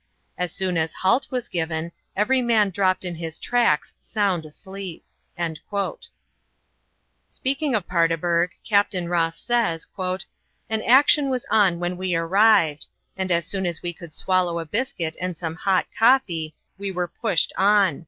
As soon as 'halt' was given every man dropped in his tracks sound asleep." Speaking of Paardeberg, Capt. Ross says: "An action was on when we arrived, and as soon as we could swallow a biscuit and some hot coffee, we were pushed on."